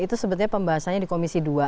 itu sebetulnya pembahasannya di komisi dua